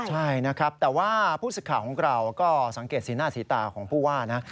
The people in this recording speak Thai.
ใช่นะครับแต่ว่าผู้สิทธิ์ข่าวของเราก็สังเกตสีหน้าสีตาของผู้ว่านะ